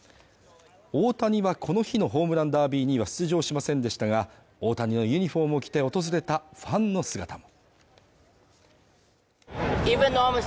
大谷はこの日のホームランダービーには出場しませんでしたが、大谷のユニフォームを着て訪れたファンの姿も。